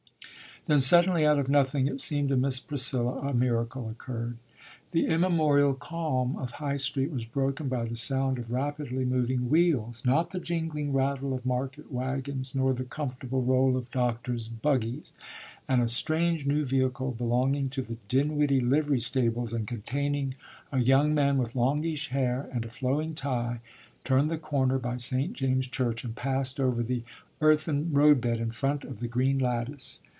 Then, suddenly, out of nothing, it seemed to Miss Priscilla, a miracle occurred! The immemorial calm of High Street was broken by the sound of rapidly moving wheels (not the jingling rattle of market wagons nor the comfortable roll of doctors' buggies), and a strange new vehicle, belonging to the Dinwiddie Livery Stables, and containing a young man with longish hair and a flowing tie, turned the corner by Saint James' Church, and passed over the earthen roadbed in front of the green lattice.